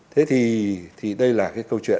thế thì đây là cái câu chuyện